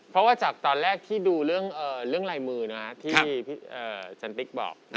เพราะว่าจากตอนแรกที่ดูเรื่องรายมือนะพี่จันติ๊กบอก